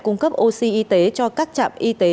cung cấp oxy y tế cho các trạm y tế